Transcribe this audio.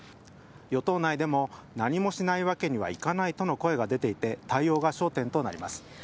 与党内でも何もしないわけにはいかないとの声が出ていて対応が焦点となります。